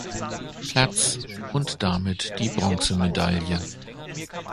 Platz und damit die Bronzemedaille.